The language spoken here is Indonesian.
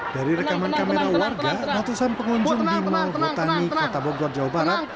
dari rekaman kamera warga ratusan pengunjung di mall hutani kota bogor jawa barat